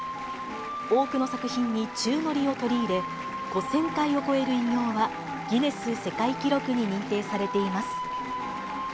多くの作品に宙乗りを取り入れ、５０００回を超える偉業は、ギネス世界記録に認定されています。